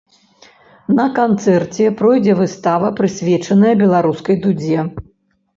На канцэрце пройдзе выстава, прысвечаная беларускай дудзе.